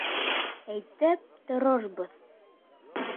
Әйтеп торорбоҙ!